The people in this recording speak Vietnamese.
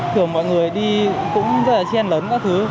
thường mọi người đi cũng rất là chen lấn các thứ